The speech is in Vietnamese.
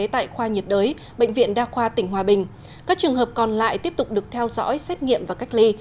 tại khoa nhiệt đới bệnh viện đa khoa tỉnh hòa bình các trường hợp còn lại tiếp tục được theo dõi xét nghiệm và cách ly